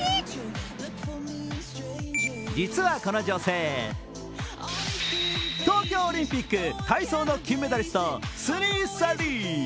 実はこの女性、東京オリンピック体操の金メダリスト。